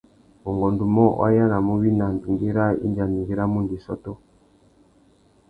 Ungôndumô, wa yānamú wina andjingüî râā indi andjingüî râ mundu i sôtô.